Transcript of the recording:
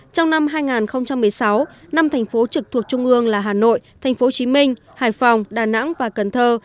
trong năm hai nghìn một mươi sáu năm thành phố trực thuộc trung ương là hà nội tp hcm hải phòng đà nẵng và cần thơ